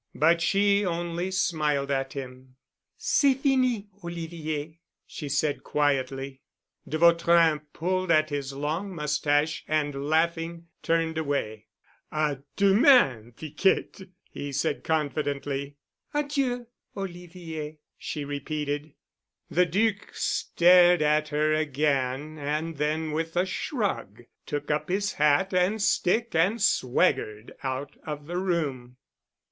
But she only smiled at him. "C'est fini, Olivier," she said quietly. De Vautrin pulled at his long mustache and laughing turned away. "À demain, Piquette——" he said confidently. "Adieu, Olivier," she repeated. The Duc stared at her again and then with a shrug, took up his hat and stick and swaggered out of the room.